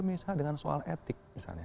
misalnya dengan soal etik